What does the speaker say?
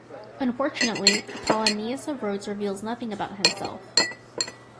Unfortunately, Apollonius of Rhodes reveals nothing about himself.